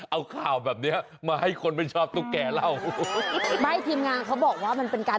เอาข่าวแบบเนี้ยมาให้คนไม่ชอบตุ๊กแกะเรา